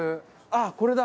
あっこれだ！